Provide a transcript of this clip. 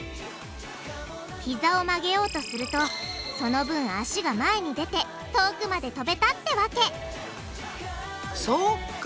ひざを曲げようとするとその分足が前に出て遠くまでとべたってわけそっか。